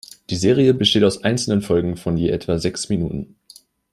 Die Serie besteht aus einzelnen Folgen von je etwa sechs Minuten.